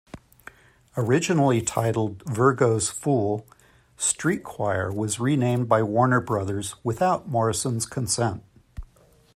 Originally titled "Virgo's Fool", "Street Choir" was renamed by Warner Brothers without Morrison's consent.